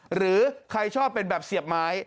หรือใครชอบเป็นแบบเสียบไม้